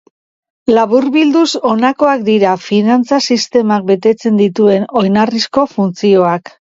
Laburbilduz honakoak dira finantza-sistemak betetzen dituen oinarrizko funtzioak.